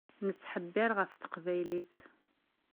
Nettḥebbiṛ ɣef teqbaylit.